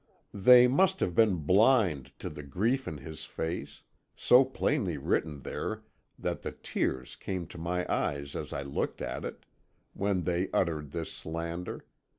They must have been blind to the grief in his face so plainly written there that the tears came to my eyes as I looked at it when they uttered this slander.